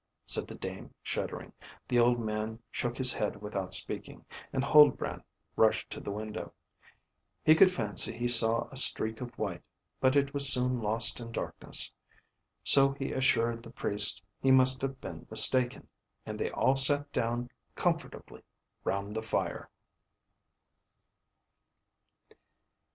said the dame shuddering; the old man shook his head without speaking; and Huldbrand rushed to the window. He could fancy he saw a streak of white, but it was soon lost in darkness. So he assured the Priest he must have been mistaken; and they all sat down comfortably round the fire.